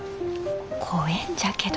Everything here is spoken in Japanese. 怖んじゃけど。